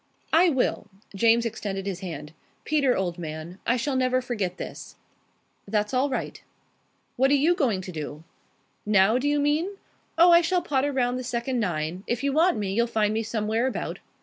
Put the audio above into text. "I will." James extended his hand. "Peter, old man, I shall never forget this." "That's all right." "What are you going to do?" "Now, do you mean? Oh, I shall potter round the second nine. If you want me, you'll find me somewhere about."